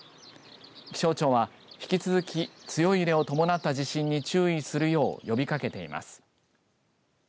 気象庁は引き続き強い揺れを伴った地震に注意するよう呼びかけています。